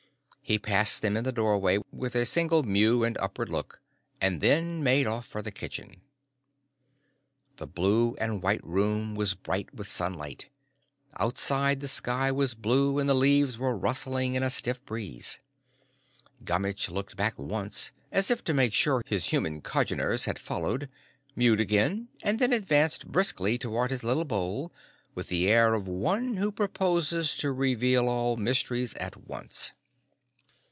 He passed them in the doorway with a single mew and upward look and then made off for the kitchen. The blue and white room was bright with sunlight. Outside the sky was blue and the leaves were rustling in a stiff breeze. Gummitch looked back once, as if to make sure his human congeners had followed, mewed again, and then advanced briskly toward his little bowl with the air of one who proposes to reveal all mysteries at once.